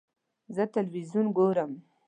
زه تلویزیون ګورم